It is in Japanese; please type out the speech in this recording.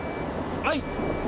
はい。